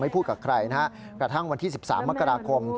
พูดกับใครนะฮะกระทั่งวันที่๑๓มกราคม